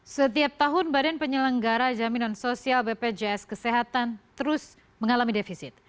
setiap tahun badan penyelenggara jaminan sosial bpjs kesehatan terus mengalami defisit